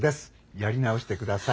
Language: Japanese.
やり直して下さい。